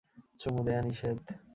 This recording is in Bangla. চুমু দেয়া নিষেধ।